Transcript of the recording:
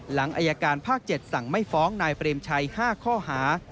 หลังอายการภาค๗สั่งไม่ฟ้องนายเปรมชัย๕ข้อหา